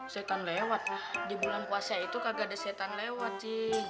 setan lewat di bulan puasa itu kagak ada setan lewat sih